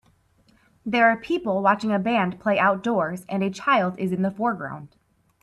There are people watching a band play outdoors and a child is in the foreground.